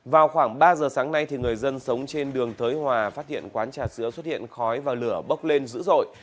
vào khoảng ba giờ sáng nay người dân sống trên đường thới hòa phát hiện quán trà sữa xuất hiện khói và lửa bốc lên dữ dội